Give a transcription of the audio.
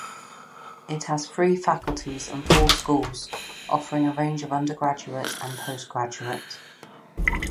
It has three faculties and four schools, offering a range of undergraduate and postgraduate.